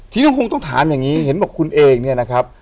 ทีนี้ก็คงต้องถามอย่างนี้เห็นบอกคุณเองเนี่ยนะครับ